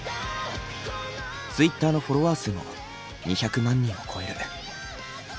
ツイッターのフォロワー数も２００万人を超える。